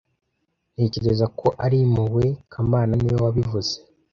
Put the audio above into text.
Ntekereza ko ari impuhwe kamana niwe wabivuze